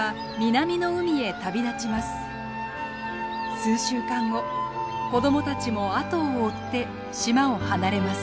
数週間後子供たちも後を追って島を離れます。